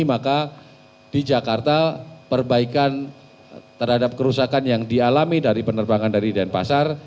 maka di jakarta perbaikan terhadap kerusakan yang dialami dari penerbangan dari denpasar